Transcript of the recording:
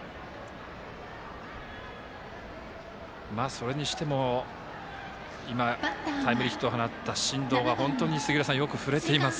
それにしてもタイムリーヒットを放った進藤は本当に杉浦さんよく振れています。